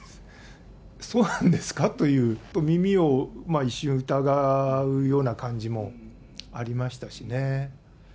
そうなんですかという、耳を一瞬疑うような感じもありましたしね。